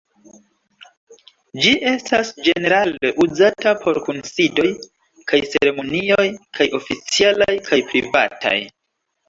Ĝi estas ĝenerale uzata por kunsidoj kaj ceremonioj, kaj oficialaj kaj privataj.